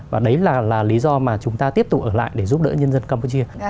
và đấy là lý do mà chúng ta tiếp tục ở lại để giúp đỡ nhân dân campuchia